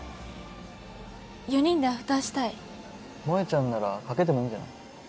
萌ちゃんなら「掛け」でもいいんじゃない？